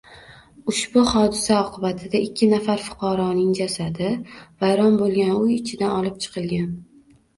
Ushbu hodisa oqibatida ikki nafar fuqaroning jasadi vayron boʻlgan, uy ichidan olib chiqilgan.